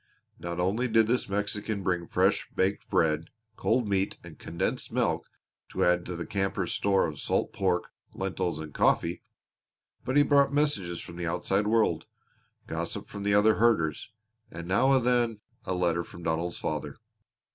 Not only did this Mexican bring fresh baked bread, cold meat, and condensed milk to add to the campers' stock of salt pork, lentils, and coffee, but he brought messages from the outside world; gossip from the other herders; and now and then a letter from Donald's father.